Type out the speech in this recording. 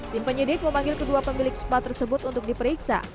tim penyidik memanggil kedua pemilik spa tersebut untuk diperiksa